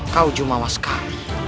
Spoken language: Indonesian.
kau jumawah sekali